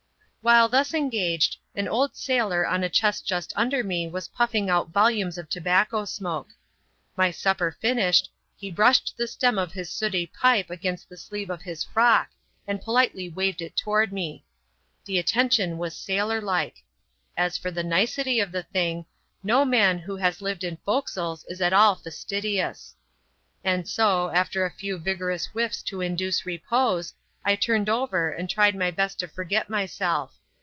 While thus engaged, an old sailor on a chest just under me was pufiing out volumes of tobacco smoke. My supper finished, he brushed the stem of his sooty pipe against the sleeve of his frock, and politely waved it toward me. The attention was emlor like; as for the nicety of the thing, no mwi^Xio \ia& \i^ed CHAP. I.] MY RECEPTION ABOARD. 5 in forecastles is at all fastidious ; and so, after a few vigorous whiffs to induce repose, I turned over and tried my best to forget myself.